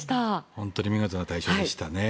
本当に見事な大勝でしたね。